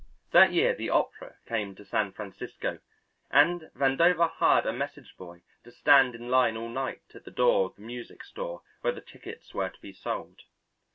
That year the opera came to San Francisco, and Vandover hired a messenger boy to stand in line all night at the door of the music store where the tickets were to be sold.